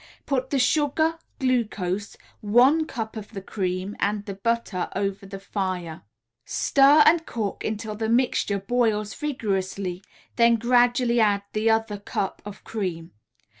Put the sugar, glucose, one cup of the cream and the butter over the fire; stir and cook until the mixture boils vigorously, then gradually add the other cup of cream.